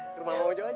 ke rumah emang ojo aja